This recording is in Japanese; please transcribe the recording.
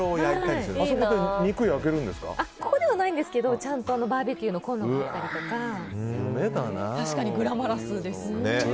ここではないんですがちゃんとバーベキューのこんろがあったりとか確かにグラマラスですよね。